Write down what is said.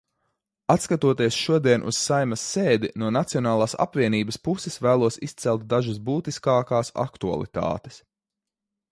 Atskatoties šodien uz Saeimas sēdi, no Nacionālās apvienības puses vēlos izcelt dažas būtiskākās aktualitātes.